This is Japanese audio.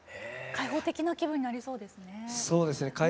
開放的な気分になりそうですね。